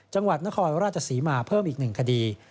จังหวัดนครราชศรีมาเพิ่มอีก๑คดี